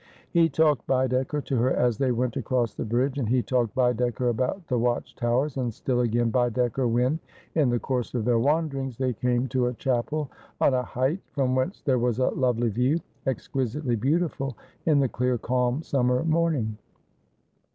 He talked Baedeker to her as they went across the bridge ; and he talked Baedeker about the watch towers ; and still again Baedeker when, in the course of their wanderings, they came to a chapel on a height, from whence there was a lovely view, exquisitely beautiful in the clear calm summer morning.